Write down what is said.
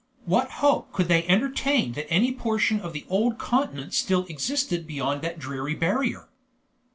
What hope could they entertain that any portion of the old continent still existed beyond that dreary barrier?